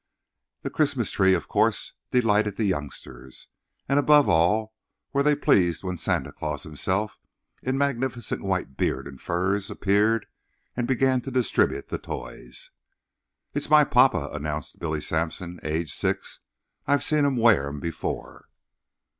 The Christmas tree, of course, delighted the youngsters, and above all were they pleased when Santa Claus himself in magnificent white beard and furs appeared and began to distribute the toys. "It's my papa," announced Billy Sampson, aged six. "I've seen him wear 'em before."